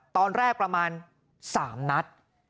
ตอนแรกประมาณ๓นัด